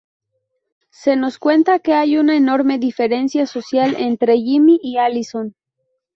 Se nos cuenta que hay una enorme diferencia social entre Jimmy y Alison.